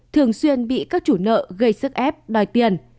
thường xuyên bị các chủ nợ gây sức ép đòi tiền